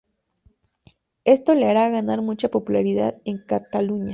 Esto le hará ganar mucha popularidad en Cataluña.